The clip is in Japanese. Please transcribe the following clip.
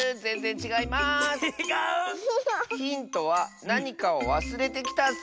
ちがう⁉ヒントはなにかをわすれてきたッス。